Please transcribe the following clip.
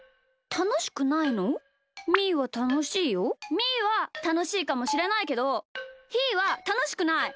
みーはたのしいかもしれないけどひーはたのしくない！